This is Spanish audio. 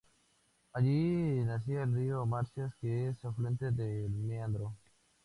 Allí nacía el río Marsias, que es afluente del Meandro.